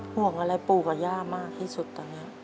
ห่วงอะไรปู่กับย่ามากที่สุดตอนนี้